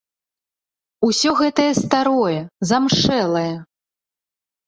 Усё гэтае старое, замшэлае.